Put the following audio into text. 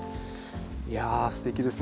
いやすてきですね。